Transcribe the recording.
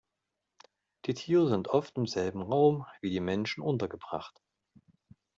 Die Tiere sind oft im selben Raum wie die Menschen untergebracht.